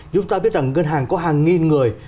chúng ta biết rằng ngân hàng có hàng nghìn người